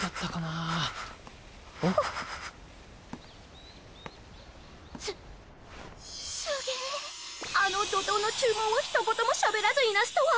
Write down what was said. あの怒とうの注文をひと言もしゃべらずいなすとは。